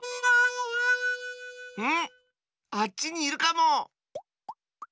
ん⁉あっちにいるかも！